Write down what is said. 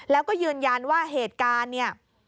แล้วก็ยืนยันว่าเหตุการณ์เนี่ย